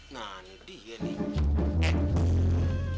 nah ini dia nih